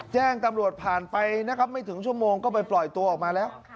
แจ้งตำรวจผ่านไปนะครับไม่ถึงชั่วโมงก็ไปปล่อยตัวออกมาแล้ว